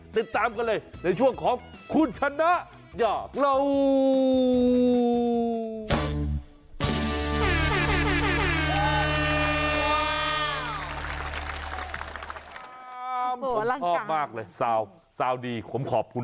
ติดตามกันเลยในช่วงของคุณชนะอยากเล่า